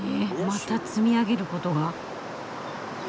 また積み上げることが。